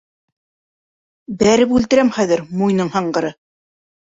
Бәреп үлтерәм хәҙер, муйының һынғыры!